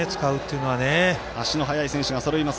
足の速い選手がそろいます。